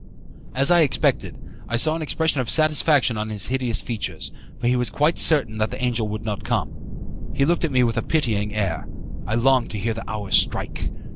As I had expected, I saw an expression of satisfaction on his hideous features, for he was quite certain that the angel would not come. He looked at me with a pitying air. I longed to hear the hour strike.